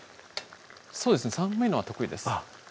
そうですね寒いのは得意ですあっ